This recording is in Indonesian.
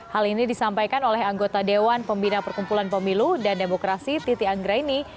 hal ini disampaikan oleh anggota dewan pembina perkumpulan pemilu dan demokrasi titi anggraini